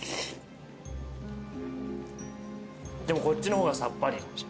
でもこっちの方がさっぱり。